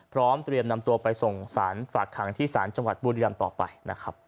พร้อมเตรียมนำตัวไปส่งสารฝากขังที่ศาลจังหวัดบุรีรำต่อไปนะครับ